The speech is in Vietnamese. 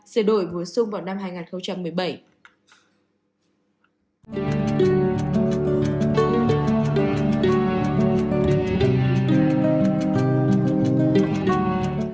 sẽ đổi vừa xuống vào năm hai nghìn một mươi bảy